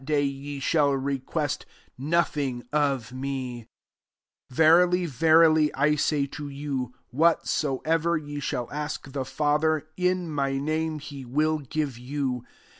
23 I And in that day, ye shall request nothing of me : Verily, verily, I say to you. Whatsoever ye shall ask the Father, in my name, he will give you.